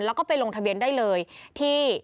แล้วก็ไปลงทะเบียนได้เลยที่